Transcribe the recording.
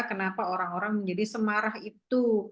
kenapa orang orang menjadi semarah itu